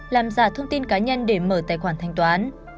làm giả thông tin cá nhân để mở tài khoản thanh toán